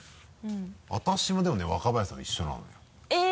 私もでもね若林さんと一緒なのよえぇ。